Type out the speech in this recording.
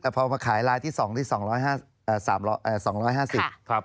พอมาขายลายที่๒ที่๒๕๐